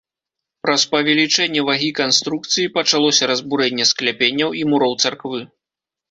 Праз павелічэнне вагі канструкцыі пачалося разбурэнне скляпенняў і муроў царквы.